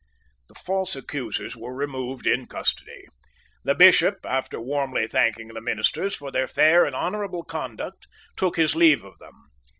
The false accusers were removed in custody. The Bishop, after warmly thanking the ministers for their fair and honourable conduct, took his leave of them.